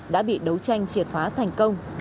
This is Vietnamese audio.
đã bị đấu tranh triệt phá thành công